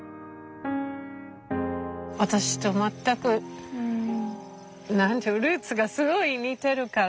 私と全くルーツがすごい似てるから。